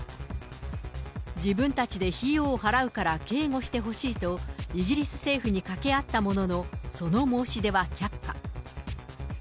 自分たちで費用を払うから警護してほしいと、イギリス政府に掛け合ったものの、その申し出は却下。